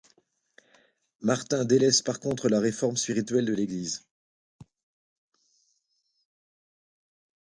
Martin délaisse par contre la réforme spirituelle de l’Église.